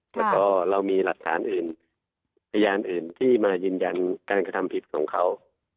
แล้วก็เรามีหลักฐานอื่นพยานอื่นที่มายืนยันการกระทำผิดของเขา